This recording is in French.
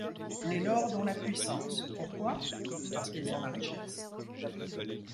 Les lords ont la puissance, pourquoi ? parce qu’ils ont la richesse.